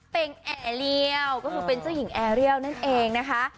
เป็นแอร์เรียลก็คือเป็นเจ้าหญิงแอร์เรียลนั่นเองนะคะ